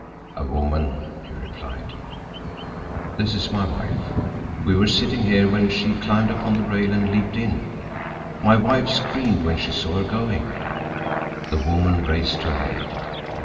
"A woman," he replied. "This is my wife. We were sitting here when she climbed upon the rail and leaped in. My wife screamed when she saw her going." The woman raised her head.